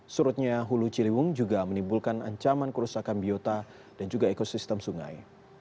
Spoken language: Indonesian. surutnya hulu ciliwung juga menimbulkan ancaman kerusakan biota dan juga ekosistem sungai